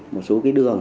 một số cái đường